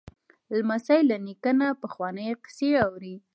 لمسی له نیکه نه پخوانۍ کیسې اوري.